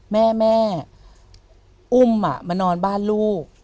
แม่อุ้มอะมานอนบ้านลูก